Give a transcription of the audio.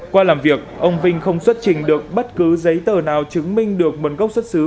qua làm việc ông vinh không xuất trình được bất cứ giấy tờ nào chứng minh được nguồn gốc xuất xứ